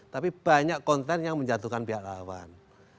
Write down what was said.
tapi banyak konten yang menjatuhkan pihak lawan